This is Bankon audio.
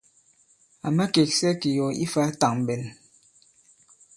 À makèksɛ kì yɔ̀ ifā tàŋɓɛn.